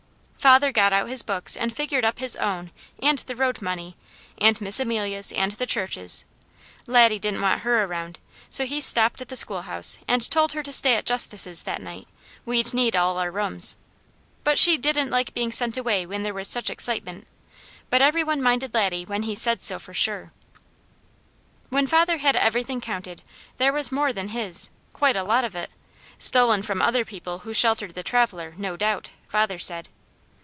Father got out his books and figured up his own and the road money, and Miss Amelia's, and the church's. Laddie didn't want her around, so he stopped at the schoolhouse and told her to stay at Justices' that night, we'd need all our rooms; but she didn't like being sent away when there was such excitement, but every one minded Laddie when he said so for sure. When father had everything counted there was more than his, quite a lot of it, stolen from other people who sheltered the traveller no doubt, father said.